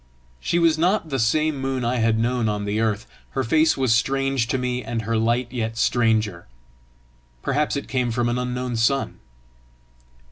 She was not the same moon I had known on the earth; her face was strange to me, and her light yet stranger. Perhaps it came from an unknown sun!